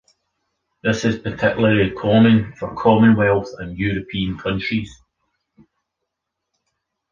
This is particularly common for commonwealth and European countries.